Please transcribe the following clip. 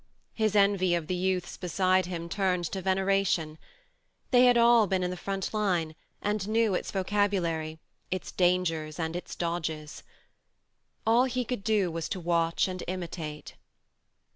His envy of the youths beside him turned to veneration. They had all been in the front line, and knew its vocabulary, its dangers and its dodges. 121 122 THE MARNE All he could do was to watch and imitate.